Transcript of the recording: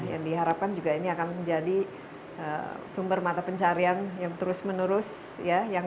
yang diharapkan juga ini akan menjadi sumber mata pencarian yang terus menerus ya